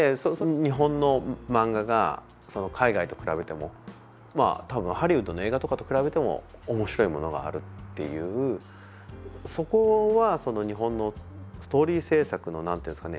日本の漫画が海外と比べても多分、ハリウッドの映画とかと比べても面白いものがあるっていうそこは日本のストーリー制作のなんていうんですかね